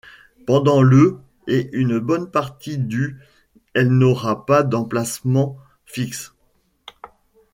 Pendant le et une bonne partie du elle n’aura pas d’emplacement fixe.